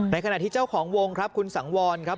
ขณะที่เจ้าของวงครับคุณสังวรครับ